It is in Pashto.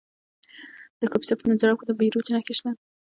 د کاپیسا په نجراب کې د بیروج نښې شته.